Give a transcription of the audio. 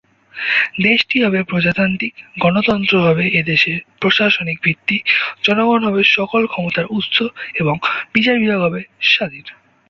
দেশটি হবে প্রজাতান্ত্রিক, গণতন্ত্র হবে এদেশের প্রশাসনিক ভিত্তি, জনগণ হবে সকল ক্ষমতার উৎস এবং বিচার বিভাগ হবে স্বাধীন।